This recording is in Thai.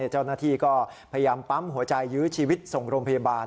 เจ้าหน้าที่ก็พยายามปั๊มหัวใจยื้อชีวิตส่งโรงพยาบาล